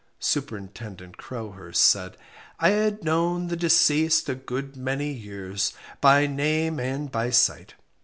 Superintendent Crowhurst said I had known the deceased a good many years by name and by sight.